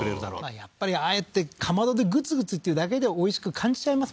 やっぱりああやって竈でグツグツっていうだけでおいしく感じちゃいます